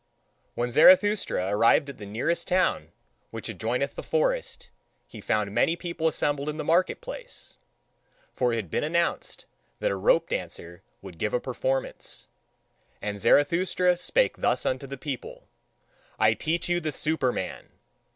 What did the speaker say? When Zarathustra arrived at the nearest town which adjoineth the forest, he found many people assembled in the market place; for it had been announced that a rope dancer would give a performance. And Zarathustra spake thus unto the people: I TEACH YOU THE SUPERMAN.